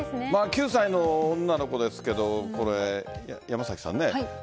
９歳の女の子ですけど山崎さん